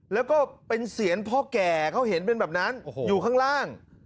แล้วก็เป็นเสียงพ่อแก่เขาเห็นเป็นแบบนั้นอยู่ข้างล่าง